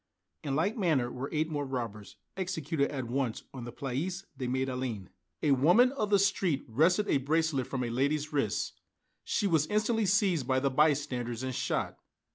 In like manner were eight more robbers executed at once on the Place de la Madeleine. A woman of the street wrested a bracelet from a lady's wrist; she was instantly seized by the bystanders and shot.